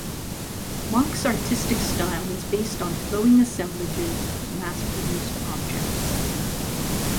Mach's artistic style is based on flowing assemblages of mass-produced objects.